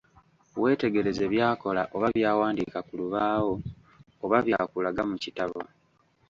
Weetegereze by'akola oba by'awandiika ku lubaawo oba by'akulaga mu kitabo.